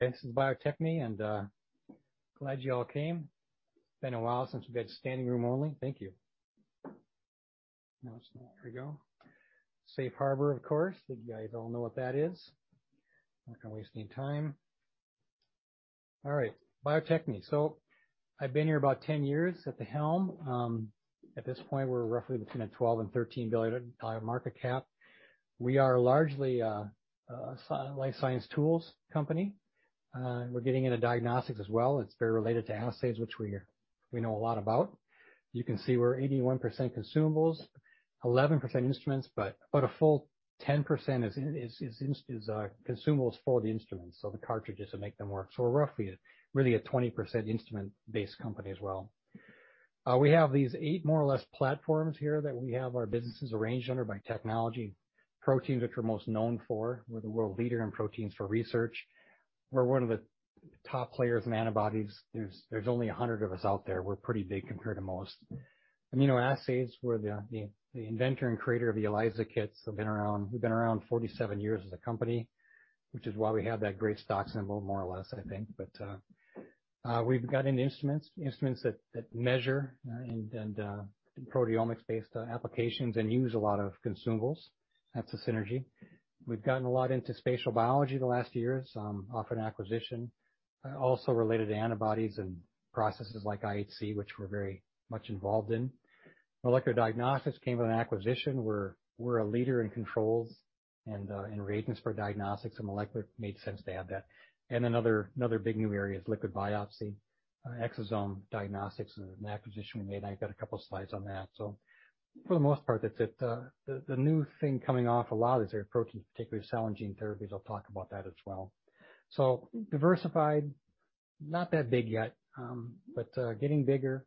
This is Bio-Techne, and glad you all came. It's been a while since we've had standing room only. Thank you. Here we go. Safe harbor, of course. You guys all know what that is. Not gonna waste any time. Bio-Techne. I've been here about 10 years at the helm. At this point, we're roughly between a $12 billion-$13 billion market cap. We are largely a life science tools company. We're getting into diagnostics as well. It's very related to assays, which we know a lot about. You can see we're 81% consumables, 11% instruments, but a full 10% is consumables for the instruments, so the cartridges to make them work. We're roughly really a 20% instrument-based company as well. We have these eight, more or less, platforms here that we have our businesses arranged under by technology. Proteins, which we're most known for. We're the world leader in proteins for research. We're one of the top players in antibodies. There's only 100 of us out there. We're pretty big compared to most. Immunoassays, we're the inventor and creator of the ELISA kits. We've been around 47 years as a company, which is why we have that great stock symbol, more or less, I think. We've gotten instruments that measure and proteomics-based applications and use a lot of consumables. That's a synergy. We've gotten a lot into spatial biology the last few years, off an acquisition, also related to antibodies and processes like IHC, which we're very much involved in. Molecular diagnostics came with an acquisition. We're a leader in controls and in reagents for diagnostics and molecular. Made sense to add that. Another big new area is liquid biopsy, Exosome Diagnostics, an acquisition we made. I've got a couple slides on that. For the most part, that's it. The new thing coming off a lot is our protein, particularly cell and gene therapies. I'll talk about that as well. Diversified, not that big yet, but getting bigger.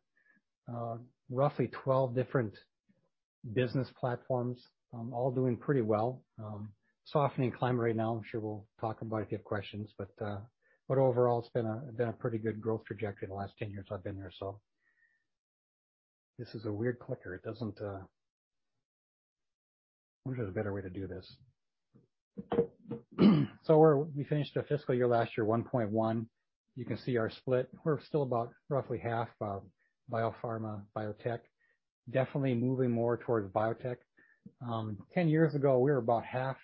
Roughly 12 different business platforms, all doing pretty well. Softening climb right now. I'm sure we'll talk about it if you have questions, but overall, it's been a pretty good growth trajectory in the last 10 years I've been here so. This is a weird clicker. It doesn't. I wish there was a better way to do this. We finished our fiscal year last year, $1.1 billion. You can see our split. We're still about roughly half, biopharma, biotech. Definitely moving more towards biotech. 10 years ago, we were about half,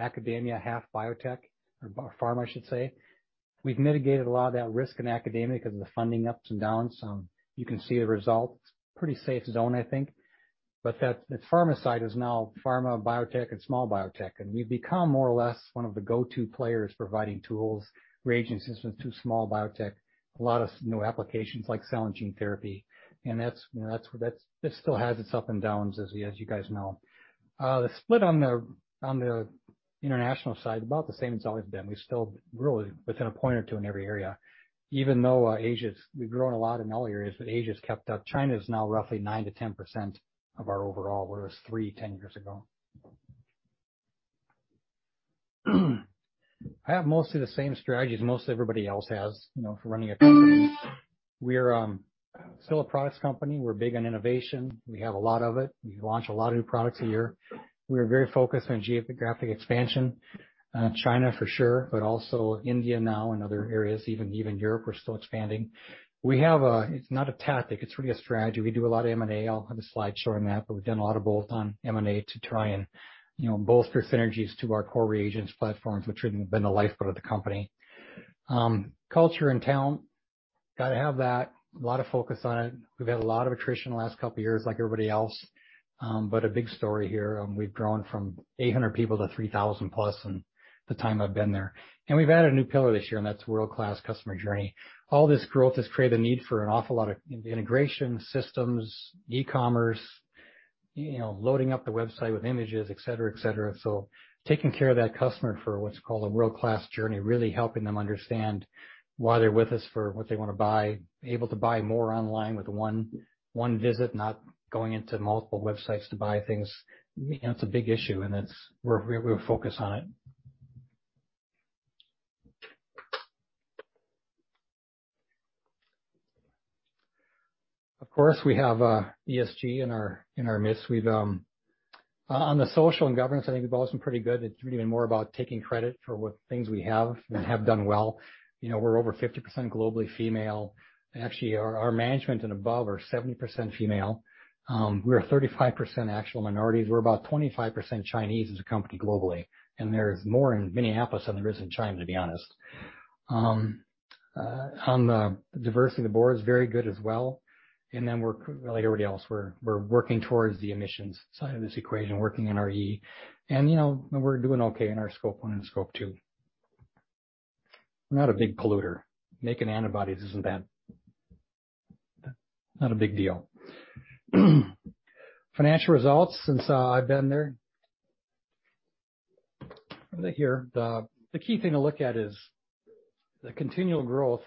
academia, half biotech or biopharma, I should say. We've mitigated a lot of that risk in academia 'cause of the funding ups and downs. You can see the result. It's pretty safe zone, I think. That the pharma side is now pharma, biotech, and small biotech. We've become more or less one of the go-to players providing tools, reagent systems to small biotech, a lot of new applications like cell and gene therapy. That's, you know, that's where that still has its up and downs, as you guys know. The split on the, on the international side, about the same it's always been. We've still really within a point or two in every area, even though we've grown a lot in all areas, but Asia's kept up. China's now roughly 9%-10% of our overall, where it was three, 10 years ago. I have mostly the same strategy as most everybody else has, you know, for running a company. We are still a products company. We're big on innovation. We have a lot of it. We launch a lot of new products a year. We are very focused on geographic expansion. China for sure, but also India now and other areas. Even Europe, we're still expanding. It's not a tactic, it's really a strategy. We do a lot of M&A. I'll have a slide showing that, but we've done a lot of both on M&A to try and, you know, bolster synergies to our core reagents platforms, which have been the lifeblood of the company. Culture and talent, gotta have that. A lot of focus on it. We've had a lot of attrition the last couple of years like everybody else. A big story here, we've grown from 800 people to 3,000+ in the time I've been there. We've added a new pillar this year, and that's world-class customer journey. All this growth has created a need for an awful lot of integration systems, e-commerce, you know, loading up the website with images, et cetera, et cetera. Taking care of that customer for what's called a world-class journey, really helping them understand why they're with us for what they wanna buy, able to buy more online with one visit, not going into multiple websites to buy things. You know, it's a big issue, and we're focused on it. Of course, we have ESG in our midst. We've on the social and governance, I think we've all been pretty good. It's really been more about taking credit for what things we have and have done well. You know, we're over 50% globally female. Actually, our management and above are 70% female. We're 35% actual minorities. We're about 25% Chinese as a company globally, and there's more in Minneapolis than there is in China, to be honest. On the diversity of the board is very good as well. We're like everybody else. We're working towards the emissions side of this equation, working on our E. You know, we're doing okay in our Scope 1 and Scope 2. We're not a big polluter. Making antibodies isn't that. Not a big deal. Financial results since I've been there. Over here. The key thing to look at is the continual growth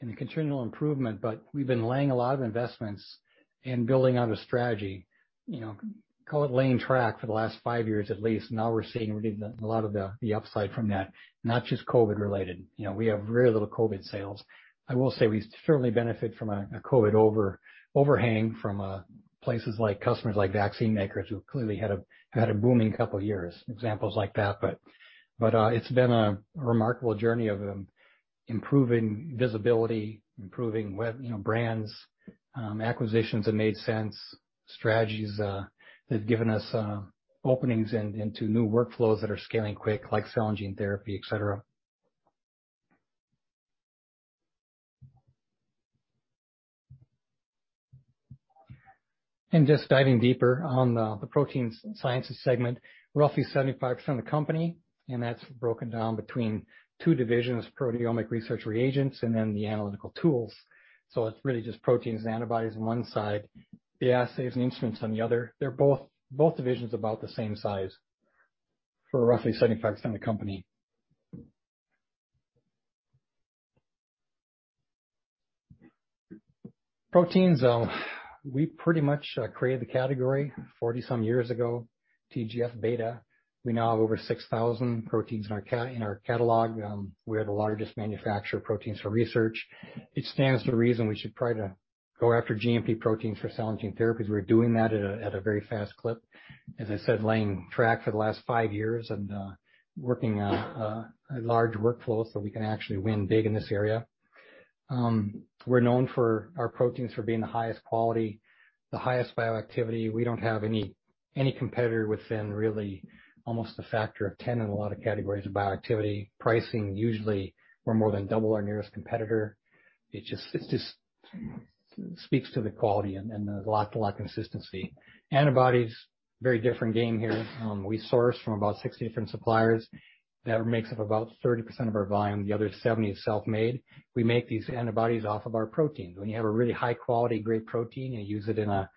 and the continual improvement. We've been laying a lot of investments and building out a strategy. You know, call it laying track for the last five years at least. Now we're seeing really the upside from that, not just COVID-related. You know, we have very little COVID sales. I will say we certainly benefit from a COVID overhang from places like customers like vaccine makers who clearly had a booming couple years, examples like that. It's been a remarkable journey of improving visibility, improving web, you know, brands, acquisitions that made sense, strategies that have given us openings into new workflows that are scaling quick, like cell and gene therapy, et cetera. Just diving deeper on the protein sciences segment, roughly 75% of the company, that's broken down between two divisions, proteomic research reagents, and then the analytical tools. It's really just proteins and antibodies on one side, the assays and instruments on the other. They're both divisions about the same size for roughly 75% of the company. Proteins, we pretty much created the category 40 some years ago, TGF-beta. We now have over 6,000 proteins in our catalog. We are the largest manufacturer of proteins for research. It stands to reason we should probably to go after GMP proteins for cell and gene therapies. We're doing that at a very fast clip. As I said, laying track for the last five years and working a large workflow so we can actually win big in this area. We're known for our proteins for being the highest quality, the highest bioactivity. We don't have any competitor within really almost a factor of 10 in a lot of categories of bioactivity. Pricing, usually we're more than double our nearest competitor. It just speaks to the quality and the lot-to-lot consistency. Antibodies, very different game here. We source from about 60 different suppliers. That makes up about 30% of our volume. The other 70 is self-made. We make these antibodies off of our proteins. When you have a really high-quality grade protein and use it in an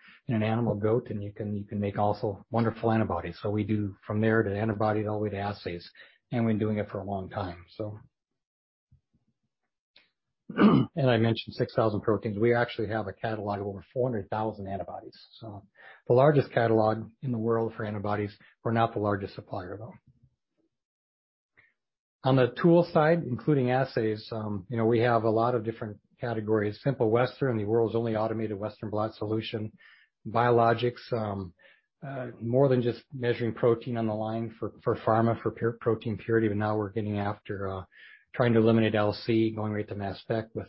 animal goat, then you can make also wonderful antibodies. We do from there to the antibody all the way to assays, and we've been doing it for a long time, so. I mentioned 6,000 proteins. We actually have a catalog of over 400,000 antibodies. The largest catalog in the world for antibodies. We're not the largest supplier, though. On the tool side, including assays, you know, we have a lot of different categories. Simple Western, the world's only automated Western blot solution. Biologics, more than just measuring protein on the line for pharma, for protein purity, now we're getting after trying to eliminate LC, going right to mass spec with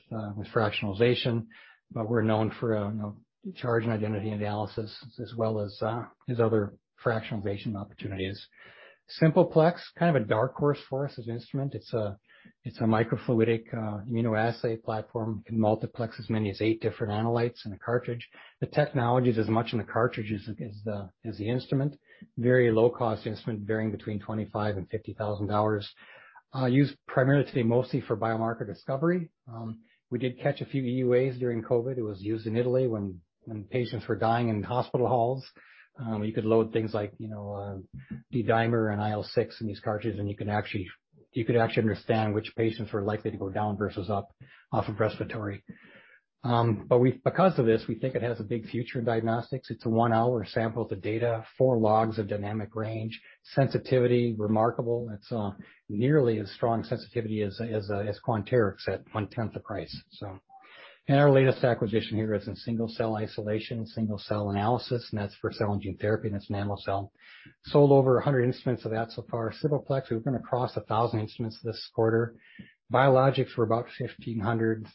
fractionation. We're known for, you know, charge and identity analysis as well as other fractionation opportunities. Simple Plex, kind of a dark horse for us as an instrument. It's a microfluidic immunoassay platform. It can multiplex as many as eight different analytes in a cartridge. The technology's as much in the cartridge as the instrument. Very low cost instrument, varying between $25,000 and $50,000. Used primarily today mostly for biomarker discovery. We did catch a few EUAs during COVID. It was used in Italy when patients were dying in hospital halls. You could load things like, you know, D-dimer and IL-6 in these cartridges, and you could actually understand which patients were likely to go down versus up off of respiratory. Because of this, we think it has a big future in diagnostics. It's a one-hour sample to data, four logs of dynamic range, sensitivity, remarkable. It's nearly as strong sensitivity as Quanterix at 1/10 the price. Our latest acquisition here is in single cell isolation, single cell analysis, and that's for cell and gene therapy, and that's Namocell. Sold over 100 instruments of that so far. Simple Plex, we're gonna cross 1,000 instruments this quarter. Biologics, we're about 1,500.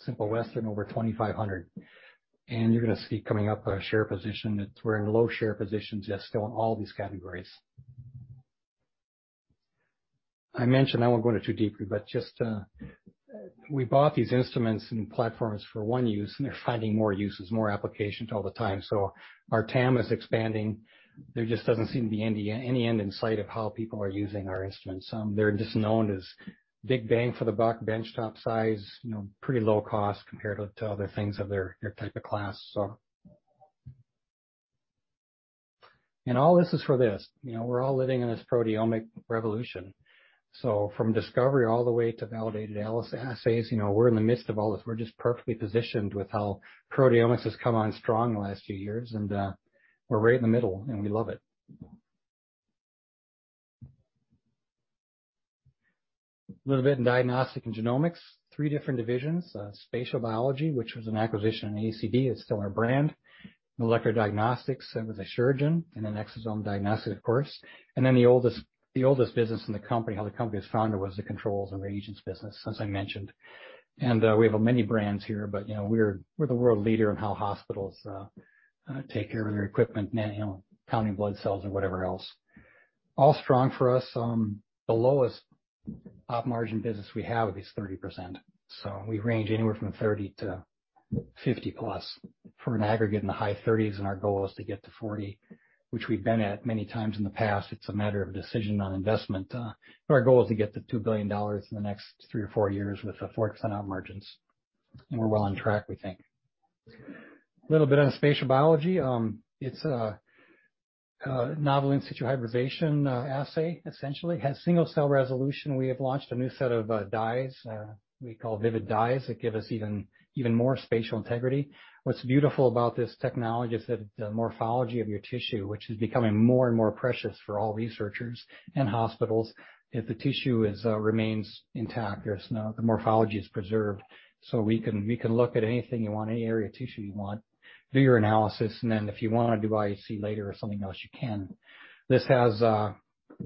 Simple Western, over 2,500. You're gonna see coming up a share position. We're in low share positions yet still in all these categories. I mentioned, I won't go into too deeply, just, we bought these instruments and platforms for one use, they're finding more uses, more applications all the time. Our TAM is expanding. There just doesn't seem to be any end in sight of how people are using our instruments. They're just known as big bang for the buck, bench-top size, you know, pretty low cost compared to other things of their type of class, so. All this is for this. You know, we're all living in this proteomic revolution. From discovery all the way to validated assays, you know, we're in the midst of all this. We're just perfectly positioned with how proteomics has come on strong in the last few years. We're right in the middle, and we love it. A little bit in diagnostics and genomics. Three different divisions, spatial biology, which was an acquisition in ACD, it's still our brand. Molecular diagnostics, that was Asuragen, Exosome Diagnostics, of course. The oldest business in the company, how the company was founded, was the controls and reagents business, as I mentioned. We have many brands here, but you know, we're the world leader in how hospitals take care of their equipment, you know, counting blood cells or whatever else. All strong for us. The lowest op margin business we have is 30%. We range anywhere from 30-50+ for an aggregate in the high 30s, and our goal is to get to 40, which we've been at many times in the past. It's a matter of decision on investment. Our goal is to get to $2 billion in the next three or four years with 4% op margins. We're well on track, we think. A little bit on spatial biology. It's a novel in situ hybridization assay, essentially. It has single cell resolution. We have launched a new set of dyes, we call Vivid Dyes, that give us even more spatial integrity. What's beautiful about this technology is that the morphology of your tissue, which is becoming more and more precious for all researchers and hospitals, if the tissue is, remains intact, there's no... The morphology is preserved, so we can look at anything you want, any area of tissue you want, do your analysis, and then if you wanna do IHC later or something else, you can. This has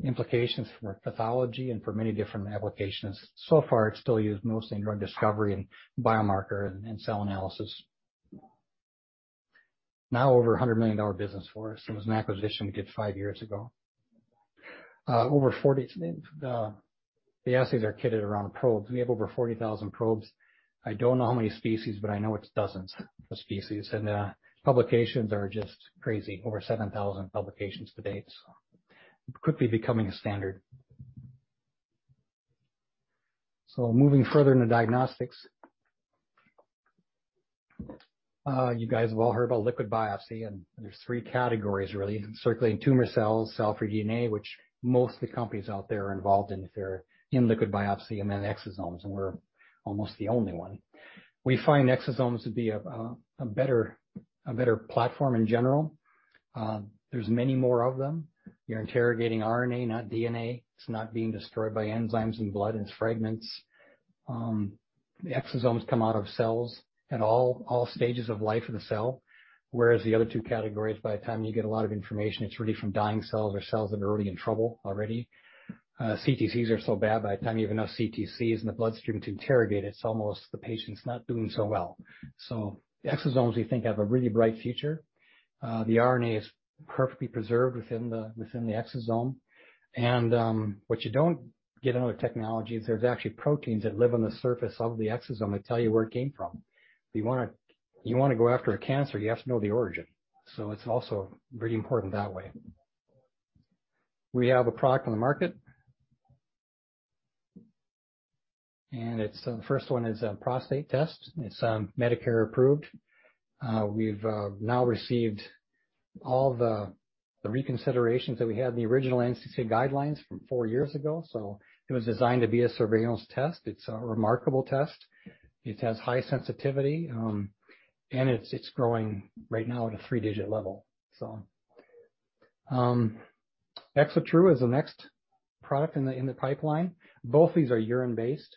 implications for pathology and for many different applications. So far, it's still used mostly in drug discovery and biomarker and cell analysis. Now over a $100 million business for us. It was an acquisition we did five years ago. The assays are kitted around probes. We have over 40,000 probes. I don't know how many species, but I know it's dozens of species. Publications are just crazy. Over 7,000 publications to date. Quickly becoming a standard. Moving further into diagnostics. You guys have all heard about liquid biopsy, and there's three categories, really. circulating tumor cells, cell-free DNA, which most of the companies out there are involved in if they're in liquid biopsy, and then exosomes, and we're almost the only one. We find exosomes to be a better platform in general. There's many more of them. You're interrogating RNA, not DNA. It's not being destroyed by enzymes and blood and its fragments. The exosomes come out of cells at all stages of life of the cell, whereas the other two categories, by the time you get a lot of information, it's really from dying cells or cells that are already in trouble already. CTCs are so bad, by the time you have enough CTCs in the bloodstream to interrogate, it's almost the patient's not doing so well. Exosomes, we think, have a really bright future. The RNA is perfectly preserved within the exosome. What you don't get out of technology is there's actually proteins that live on the surface of the exosome that tell you where it came from. If you wanna go after a cancer, you have to know the origin. It's also pretty important that way. We have a product on the market. The first one is a prostate test. It's Medicare approved. We've now received all the reconsiderations that we had in the original NCCN guidelines from four years ago. It was designed to be a surveillance test. It's a remarkable test. It has high sensitivity, and it's growing right now at a three-digit level. ExoTRU is the next product in the pipeline. Both these are urine-based,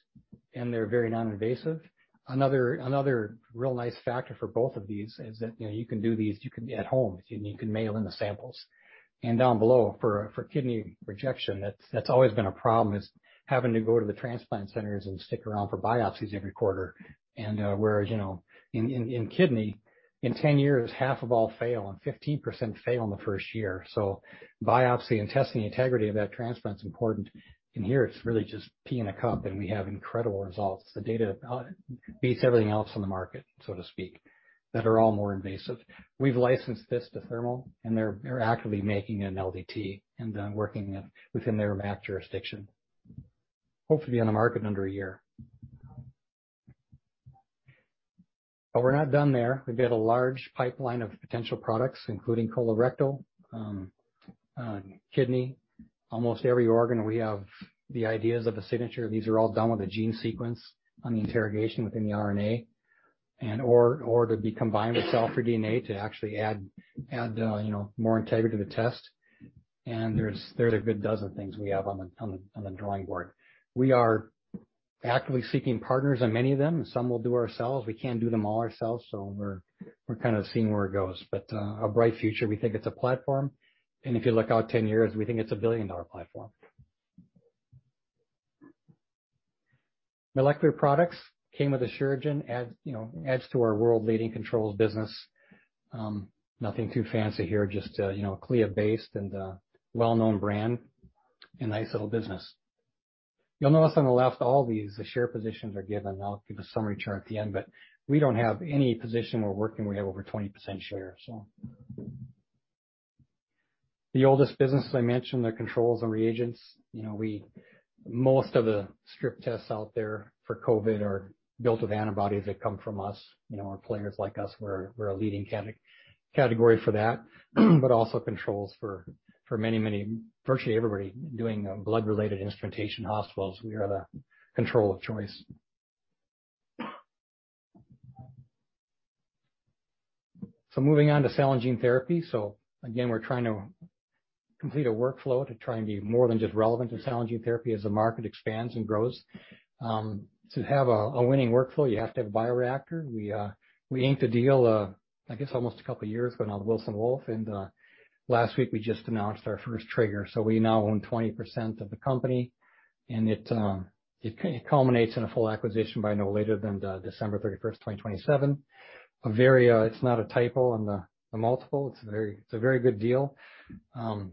and they're very non-invasive. Another real nice factor for both of these is that, you know, you can do these, you can at home. You can mail in the samples. Down below, for kidney rejection, that's always been a problem, is having to go to the transplant centers and stick around for biopsies every quarter. Whereas, you know, in kidney, in 10 years, half of all fail, and 15% fail in the first year. Biopsy and testing the integrity of that transplant is important. In here, it's really just pee in a cup, and we have incredible results. The data beats everything else on the market, so to speak, that are all more invasive. We've licensed this to Thermo, and they're actively making an LDT and working it within their map jurisdiction. Hopefully on the market in under a year. We're not done there. We've got a large pipeline of potential products, including colorectal, kidney, almost every organ we have the ideas of a signature. These are all done with a gene sequence on the interrogation within the RNA and/or to be combined with cell-free DNA to actually add, you know, more integrity to the test. There's a good dozen things we have on the drawing board. We are actively seeking partners on many of them. Some we'll do ourselves. We can't do them all ourselves, so we're kinda seeing where it goes. A bright future. We think it's a platform. If you look out 10 years, we think it's a billion-dollar platform. Molecular products came with Asuragen. Adds, you know, adds to our world-leading controls business. Nothing too fancy here, just a, you know, CLIA-based and a well-known brand. A nice little business. You'll notice on the left, all these, the share positions are given. I'll give a summary chart at the end, we don't have any position we have over 20% share, so. The oldest business, as I mentioned, the controls and reagents. You know, most of the strip tests out there for COVID are built with antibodies that come from us. You know, players like us. We're a leading category for that. Also controls for many... Virtually everybody doing blood-related instrumentation hospitals, we are the control of choice. Moving on to cell and gene therapy. Again, we're trying to complete a workflow to try and be more than just relevant to cell and gene therapy as the market expands and grows. To have a winning workflow, you have to have a bioreactor. We inked a deal, I guess almost a couple of years ago now with Wilson Wolf. Last week, we just announced our first trigger, so we now own 20% of the company. It kinda culminates in a full acquisition by no later than December 31st, 2027. A very, it's not a typo on the multiple. It's a very, it's a very good deal.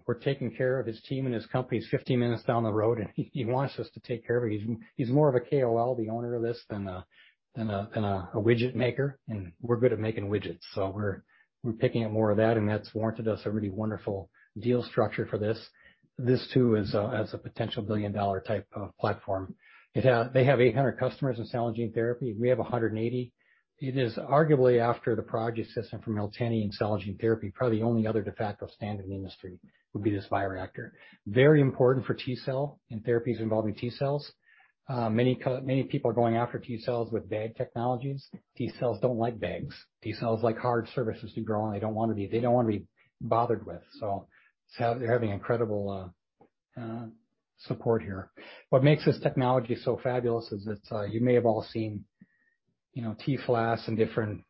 We're taking care of his team and his company. He's 15 minutes down the road, and he wants us to take care of it. He's more of a KOL, the owner of this, than a widget maker, and we're good at making widgets. We're picking up more of that. That's warranted us a really wonderful deal structure for this. This too is a potential billion-dollar type of platform. They have 800 customers in cell and gene therapy. We have 180. It is arguably, after the Prodigy System from Miltenyi in cell and gene therapy, probably the only other de facto standard in the industry would be this bioreactor. Very important for T-cell and therapies involving T-cells. Many people are going after T-cells with bag technologies. T-cells don't like bags. T-cells like hard surfaces to grow on. They don't wanna be bothered with. They're having incredible support here. What makes this technology so fabulous is that you may have all seen, you know, T-flasks and different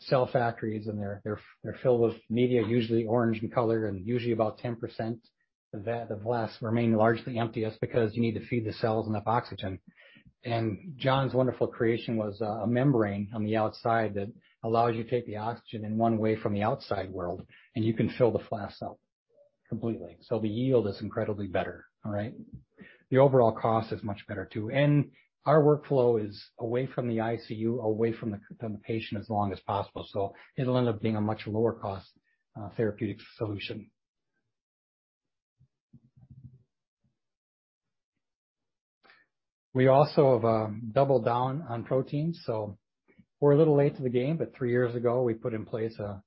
cell factories, and they're filled with media, usually orange in color and usually about 10% of that, of flasks remain largely empty. That's because you need to feed the cells enough oxygen. John's wonderful creation was a membrane on the outside that allows you to take the oxygen in one way from the outside world, and you can fill the flask up. Completely. The yield is incredibly better, all right? The overall cost is much better, too. Our workflow is away from the ICU, away from the patient as long as possible. It'll end up being a much lower cost therapeutic solution. We also have doubled down on proteins. We're a little late to the game, but three years ago, we put in place a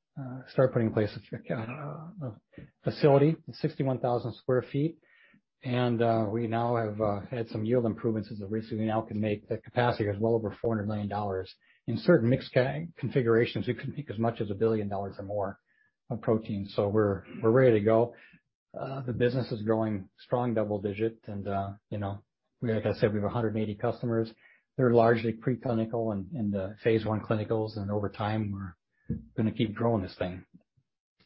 facility, 61,000 sq ft. We now have had some yield improvements as of recent. We now can make the capacity as well over $400 million. In certain mix configurations, we can make as much as $1 billion or more of protein. We're ready to go. The business is growing strong double digit. You know, like I said, we have 180 customers. They're largely preclinical and phase one clinicals. Over time, we're gonna keep growing this thing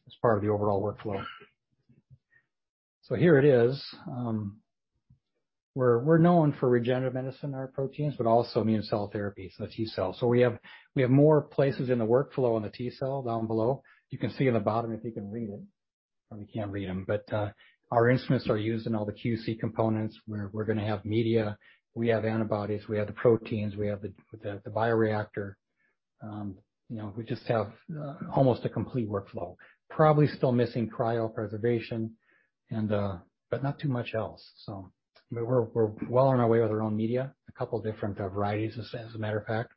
as part of the overall workflow. Here it is. We're known for regenerative medicine, our proteins, but also immune cell therapy, so T-cells. We have more places in the workflow on the T-cell down below. You can see in the bottom if you can read it. Probably can't read them. Our instruments are used in all the QC components. We're gonna have media, we have antibodies, we have the proteins, we have the bioreactor. you know, we just have almost a complete workflow. Probably still missing cryopreservation, but not too much else. We're well on our way with our own media, two different varieties, as a matter of fact.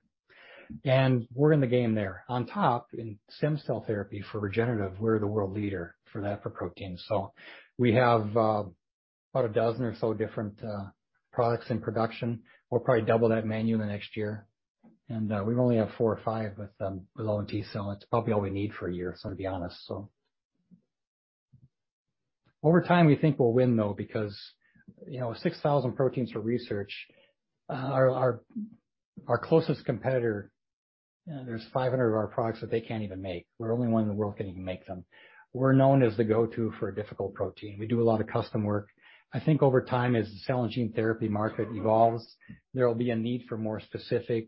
We're in the game there. On top, in stem cell therapy for regenerative, we're the world leader for that for proteins. We have about 12 or so different products in production. We'll probably double that menu in the next year. We only have four or five with our own T-cell. It's probably all we need for a year, to be honest. Over time, we think we'll win though, because, you know, 6,000 proteins for research, our closest competitor, there's 500 of our products that they can't even make. We're the only one in the world that can even make them. We're known as the go-to for a difficult protein. We do a lot of custom work. I think over time, as the cell and gene therapy market evolves, there will be a need for more specific,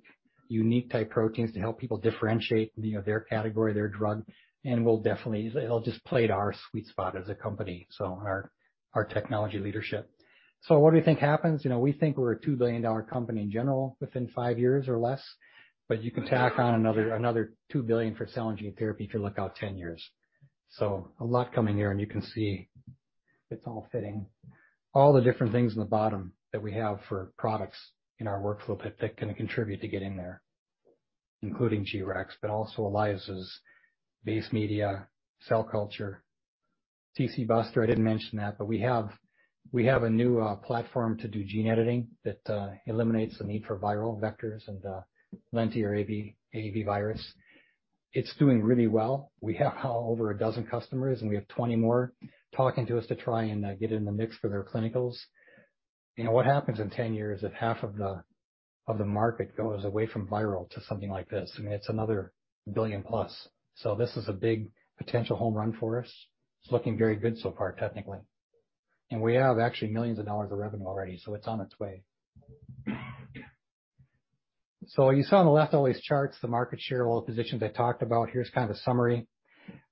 unique type proteins to help people differentiate, you know, their category, their drug. We'll definitely, it'll just play to our sweet spot as a company. Our technology leadership. What do we think happens? You know, we think we're a $2 billion company in general within five years or less, but you can tack on another $2 billion for cell and gene therapy if you look out 10 years. A lot coming here, and you can see it's all fitting. All the different things in the bottom that we have for products in our workflow that can contribute to getting there, including G-Rex, but also ELISAs, base media, cell culture. TcBuster, I didn't mention that, but we have a new platform to do gene editing that eliminates the need for viral vectors and lenti or AAV virus. It's doing really well. We have over a dozen customers, and we have 20 more talking to us to try and get in the mix for their clinicals. You know what happens in 10 years if half of the market goes away from viral to something like this, I mean, it's another billion plus. This is a big potential home run for us. It's looking very good so far technically. We have actually millions of dollars revenue already, so it's on its way. You saw on the left all these charts, the market share, all the positions I talked about. Here's kind of a summary.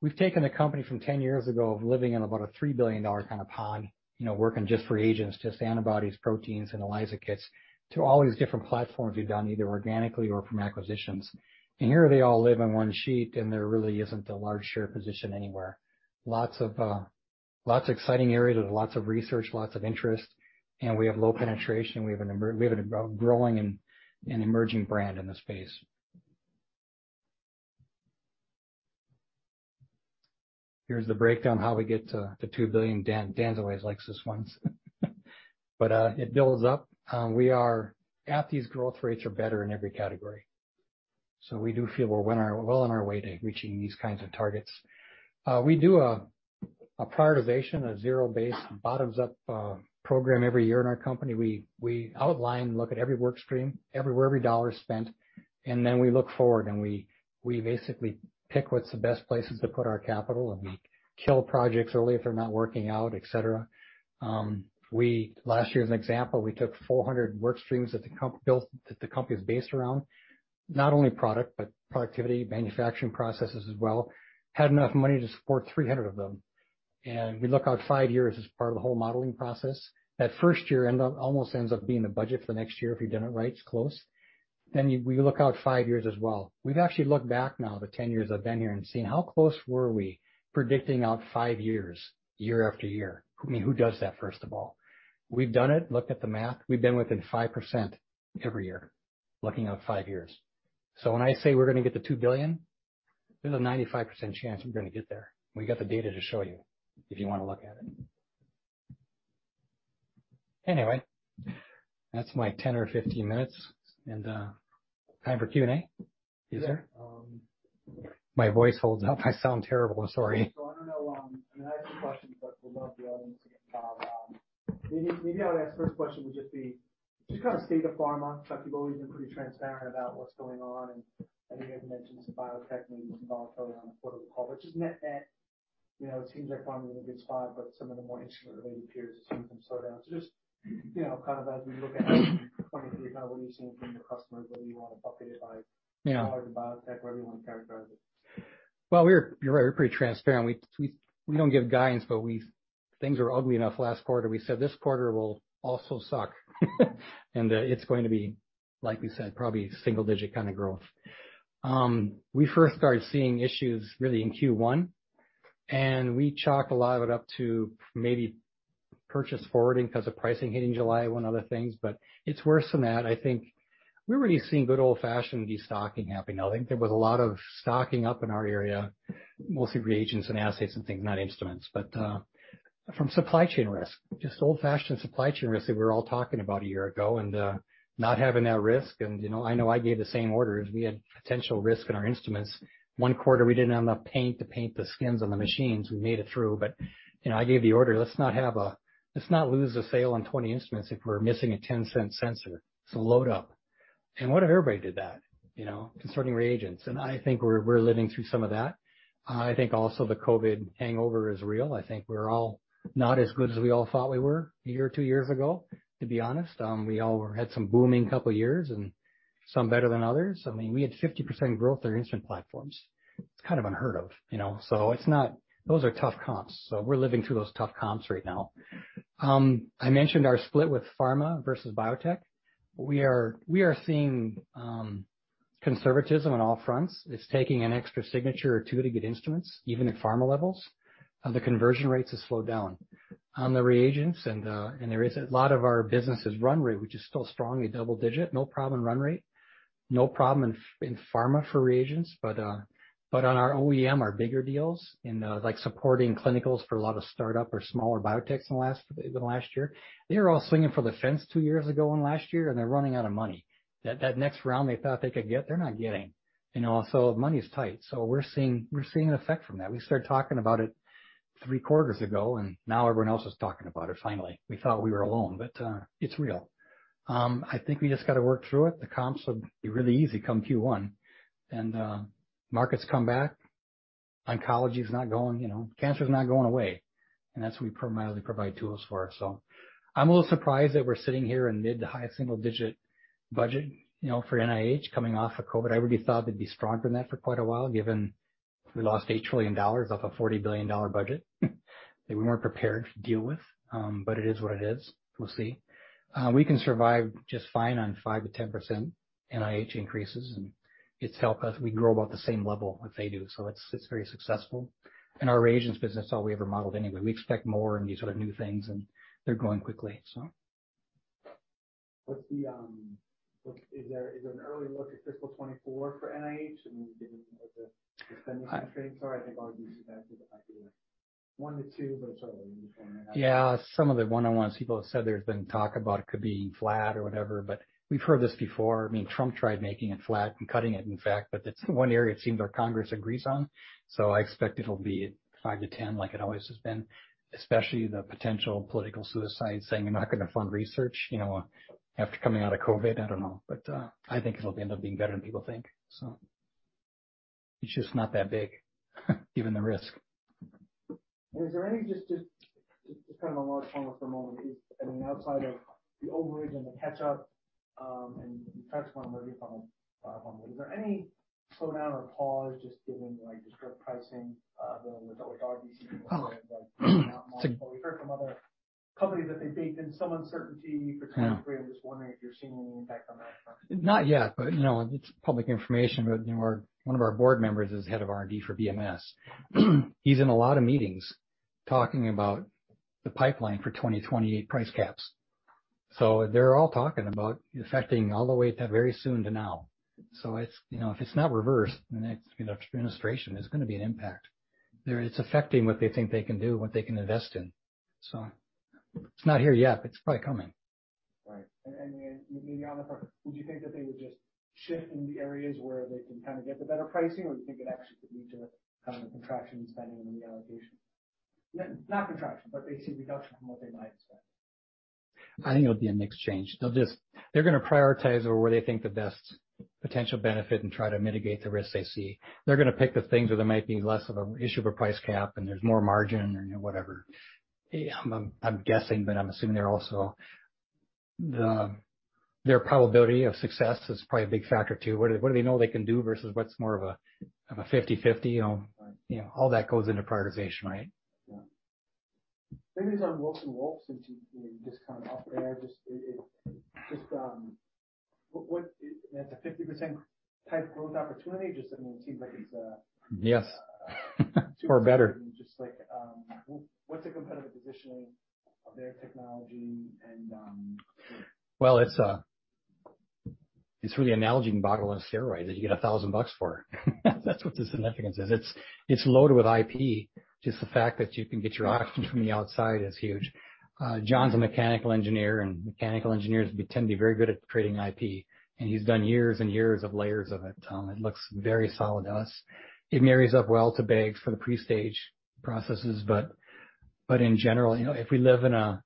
We've taken the company from 10 years ago of living in about a $3 billion kind of pond, you know, working just for agents, just antibodies, proteins, and ELISA kits, to all these different platforms we've done either organically or from acquisitions. Here they all live on one sheet, and there really isn't a large share position anywhere. Lots of exciting areas. There's lots of research, lots of interest, and we have low penetration. We have a growing and emerging brand in the space. Here's the breakdown, how we get to $2 billion. Dan always likes this one. It builds up. We are at these growth rates or better in every category. We do feel we're well on our way to reaching these kinds of targets. We do a prioritization, a zero-based bottoms-up program every year in our company. We outline, look at every work stream, where every dollar is spent, and then we look forward, and we basically pick what's the best places to put our capital, and we kill projects early if they're not working out, et cetera. Last year, as an example, we took 400 work streams that the company is based around, not only product, but productivity, manufacturing processes as well. Had enough money to support 300 of them. We look out five years as part of the whole modeling process. That first year almost ends up being the budget for the next year if you're doing it right, it's close. We look out five years as well. We've actually looked back now, the 10 years I've been here, and seen how close were we predicting out five years, year after year. I mean, who does that, first of all? We've done it, looked at the math. We've been within 5% every year, looking out five years. When I say we're gonna get to $2 billion, there's a 95% chance we're gonna get there. We got the data to show you if you wanna look at it. That's my 10 or 15 minutes and time for Q&A. Is there? Yeah. My voice holds up. I sound terrible. Sorry. I don't know, and I have some questions, but would love the audience to get involved. Maybe how I'd ask the first question would just be, just kind of state of pharma. Chuck, you've always been pretty transparent about what's going on, and I think I've mentioned some biotech names involved early on the quarter call. Just net-net, you know, it seems like pharma is in a good spot, but some of the more instrument-related peers seem to slow down. Just, you know, kind of as we look at 2023, kind of what are you seeing from your customers, whether you wanna bucket it by. Yeah. more to biotech or however you wanna characterize it. Well, we're, you're right, we're pretty transparent. We don't give guidance, but things were ugly enough last quarter. We said, this quarter will also suck. It's going to be, like we said, probably single-digit kinda growth. We first started seeing issues really in Q1, and we chalk a lot of it up to maybe purchase forwarding 'cause of pricing hitting July, one of the things. It's worse than that. I think we're really seeing good old-fashioned destocking happening now. I think there was a lot of stocking up in our area, mostly reagents and assays and things, not instruments. From supply chain risk, just old-fashioned supply chain risk that we're all talking about a year ago, not having that risk. And, you know, I know I gave the same orders. We had potential risk in our instruments. One quarter we didn't have enough paint to paint the skins on the machines. We made it through. You know, I gave the order, let's not lose a sale on 20 instruments if we're missing a 10-cent sensor. Load up. What if everybody did that, you know, concerning reagents? I think we're living through some of that. I think also the COVID hangover is real. I think we're all not as good as we all thought we were a year or two years ago, to be honest. We all had some booming couple years and some better than others. I mean, we had 50% growth in our instrument platforms. It's kind of unheard of, you know. Those are tough comps. We're living through those tough comps right now. I mentioned our split with pharma versus biotech. We are seeing conservatism on all fronts. It's taking an extra signature or two to get instruments, even at pharma levels. The conversion rates have slowed down. On the reagents, and there is a lot of our business is run rate, which is still strong in double-digit. No problem in run rate, no problem in pharma for reagents. On our OEM, our bigger deals, like supporting clinicals for a lot of startup or smaller biotechs in the last year, they were all swinging for the fence two years ago and last year, and they're running out of money. That next round they thought they could get, they're not getting. You know, money is tight, so we're seeing an effect from that. We started talking about it three quarters ago. Now everyone else is talking about it finally. We thought we were alone. It's real. I think we just gotta work through it. The comps will be really easy come Q1. Markets come back. Oncology's not going, you know, cancer's not going away, and that's what we primarily provide tools for. I'm a little surprised that we're sitting here in mid to high single-digit budget, you know, for NIH coming off of COVID. I really thought they'd be stronger than that for quite a while, given we lost $8 trillion off a $40 billion budget that we weren't prepared to deal with. It is what it is. We'll see. We can survive just fine on 5%-10% NIH increases, and it's helped us. We grow about the same level as they do, so it's very successful. Our reagents business is all we ever modeled anyway. We expect more in these sort of new things, and they're growing quickly. What's the early look at fiscal 2024 for NIH and getting like the spending constraints? I think all these events might be one to two, but it's early in the form. Yeah. Some of the one-on-ones, people have said there's been talk about it could be flat or whatever. We've heard this before. I mean, Trump tried making it flat and cutting it, in fact, but it's one area it seems our Congress agrees on. I expect it'll be five to ten like it always has been, especially the potential political suicide, saying you're not gonna fund research, you know, after coming out of COVID, I don't know. I think it'll end up being better than people think. It's just not that big, given the risk. Is there any just kind of a large funnel for a moment, I mean, outside of the overage and the catch-up, and you touched on where you funnel? Is there any slowdown or pause just given like just drug pricing, with regard to we've heard from other companies that they baked in some uncertainty for 2023? I'm just wondering if you're seeing any impact on that front. Not yet, you know, it's public information. You know, our, one of our board members is head of R&D for BMS. He's in a lot of meetings talking about the pipeline for 2028 price caps. They're all talking about effecting all the way to very soon to now. It's, you know, if it's not reversed in the next, you know, administration, there's gonna be an impact. There, it's affecting what they think they can do, what they can invest in. It's not here yet, but it's probably coming. Right. Maybe on the front, would you think that they would just shift into the areas where they can kinda get the better pricing, or do you think it actually could lead to a kind of a contraction in spending and reallocation? Not contraction, but basically reduction from what they might expect. I think it'll be a mixed change. They're gonna prioritize over where they think the best potential benefit and try to mitigate the risks they see. They're gonna pick the things where there might be less of a issue of a price cap and there's more margin or, you know, whatever. I'm guessing, but I'm assuming they're also... Their probability of success is probably a big factor too. What do they know they can do versus what's more of a, of a 50/50? You know, all that goes into prioritization, right? Yeah. Maybe on Wilson Wolf, since you know, just kinda off air, just what, that's a 50% type growth opportunity? Just, I mean, it seems like it's. Yes. Better. Just like, what's the competitive positioning of their technology and... Well, it's really an allogeneic bottle on steroids that you get $1,000 for. That's what the significance is. It's, it's loaded with IP. Just the fact that you can get your oxygen from the outside is huge. John's a mechanical engineer, and mechanical engineers tend to be very good at creating IP, and he's done years and years of layers of it. It looks very solid to us. It marries up well to bags for the pre-stage processes. In general, you know, if we live in a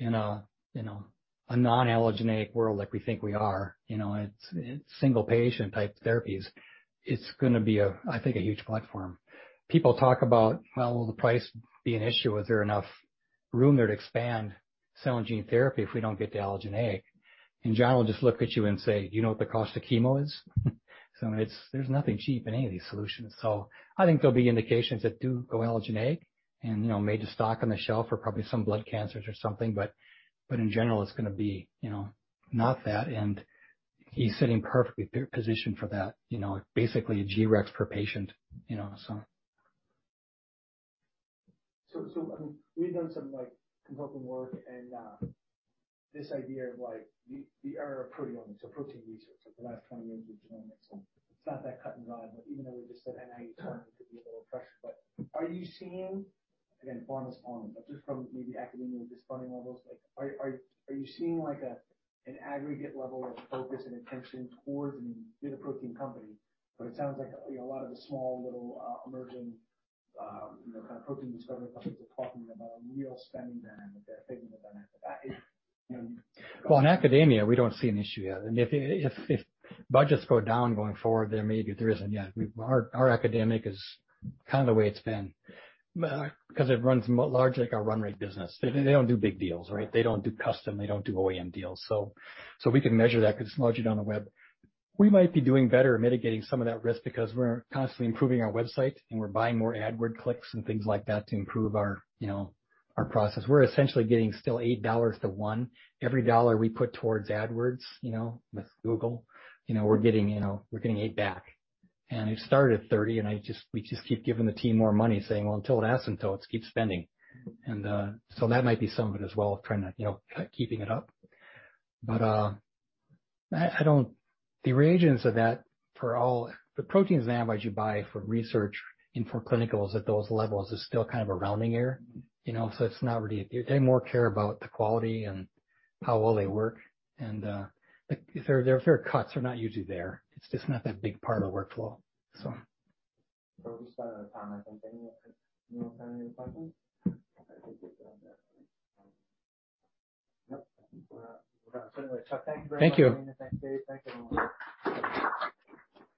non-allogeneic world like we think we are, you know, it's single-patient type therapies. It's gonna be a, I think, a huge platform. People talk about, well, will the price be an issue? Is there enough room there to expand cell and gene therapy if we don't get the allogeneic? John will just look at you and say, "You know what the cost of chemo is?" There's nothing cheap in any of these solutions. I think there'll be indications that do go allogeneic and, you know, major stock on the shelf for probably some blood cancers or something. In general, it's gonna be, you know, not that. He's sitting perfectly p-positioned for that, you know, basically a G-Rex per patient, you know, so. I mean, we've done some, like, consulting work and, this idea of like we are a proteomics, a protein research over the last 20 years with genomics, so it's not that cut and dry. Even though we just said NIH funding could be a little pressure. Are you seeing, again, farmers farming, but just from maybe academia with these funding levels, like, are you seeing like a, an aggregate level of focus and attention towards being a protein company? It sounds like a, you know, a lot of the small, little, emerging, you know, kind of protein discovery companies are talking about real spending down and they're thinking about that. That is, you know. In academia, we don't see an issue yet. If budgets go down going forward, there may be. There isn't yet. Our academic is kind of the way it's been 'cause it runs largely like a run rate business. They don't do big deals, right? They don't do custom, they don't do OEM deals. So we can measure that 'cause it's largely on the web. We might be doing better at mitigating some of that risk because we're constantly improving our website and we're buying more outward clicks and things like that to improve our, you know, our process. We're essentially getting still $8 to $1. Every dollar we put towards AdWords, you know, with Google, you know, we're getting, you know, we're getting 8 back. It started at 30 and we just keep giving the team more money, saying, "Well, until it hasn't, let's keep spending." That might be some of it as well, trying to, you know, keeping it up. I don't... The reagents of that for all the protein antibodies you buy for research and for clinicals at those levels is still kind of a rounding error. You know? It's not really They more care about the quality and how well they work. Like, if there are cuts, they're not usually there. It's just not that big part of the workflow, so. We're just out of time. I think anyone have any questions? I think we've done that. Nope. I think we're out. We're out. Anyways, so thank you very much. Thank you. Thanks, Dave. Thanks, everyone.